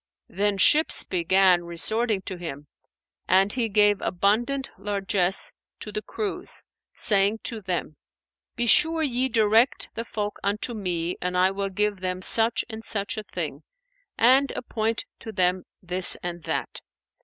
Then ships began resorting to him, and he gave abundant largesse to the crews, saying to them, "Be sure ye direct the folk unto me and I will give them such and such a thing and appoint to them this and that."